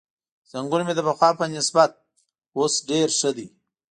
زنګون مې د پخوا په نسبت اوس ډېر ښه دی.